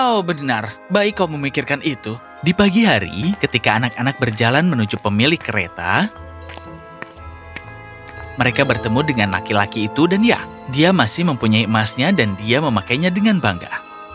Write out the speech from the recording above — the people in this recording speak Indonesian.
oh benar baik kau memikirkan itu di pagi hari ketika anak anak berjalan menuju pemilik kereta mereka bertemu dengan laki laki itu dan ya dia masih mempunyai emasnya dan dia memakainya dengan bangga